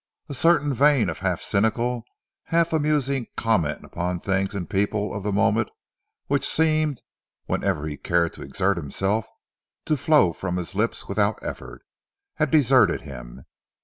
A certain vein of half cynical, half amusing comment upon things and people of the moment, which seemed, whenever he cared to exert himself, to flow from his lips without effort, had deserted him.